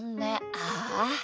ああ。